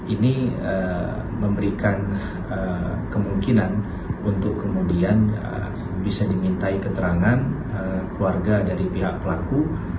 ini memberikan kemungkinan untuk kemudian bisa dimintai keterangan keluarga dari pihak pelaku